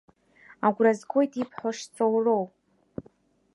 Агәра згоит ибҳәо шҵоуроу!